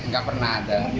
gak pernah ada